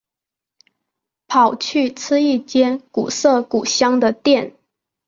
跑去吃一间古色古香的店